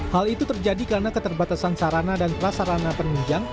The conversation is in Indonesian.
hal itu terjadi karena keterbatasan sarana dan prasarana penunjang